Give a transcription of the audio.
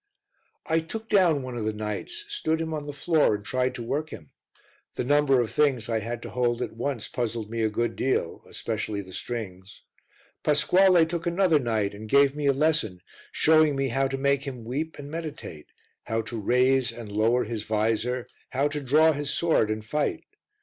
I took down one of the knights, stood him on the floor and tried to work him. The number of things I had to hold at once puzzled me a good deal, especially the strings. Pasquale took another knight and gave me a lesson, showing me how to make him weep and meditate, how to raise and lower his vizor, how to draw his sword and fight.